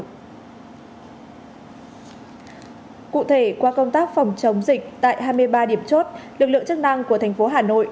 cụ thể qua công tác phòng chống dịch tại hai mươi ba điểm chốt lực lượng chức năng của thành phố hà nội